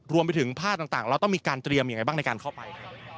รวมไปถึงผ้าต่างเราต้องมีการเตรียมยังไงบ้างในการเข้าไป